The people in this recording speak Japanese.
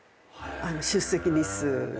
出席日数が。